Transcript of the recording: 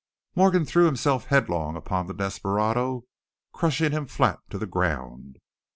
Morgan threw himself headlong upon the desperado, crushing him flat to the ground.